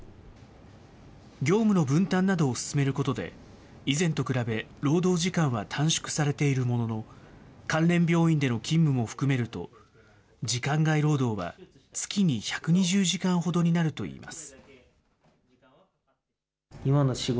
業務の分担などを進めることで、以前と比べ、労働時間は短縮されているものの、関連病院での勤務も含めると、時間外労働は月に１２０時間ほどになるといいます。